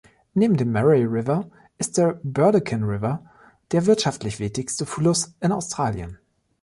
Neben dem Murray River ist der Burdekin River der wirtschaftlich wichtigste Fluss in Australien.